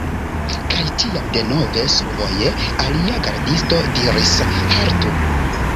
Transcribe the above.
Kaj tiam denove, survoje alia gardisto diris: "Haltu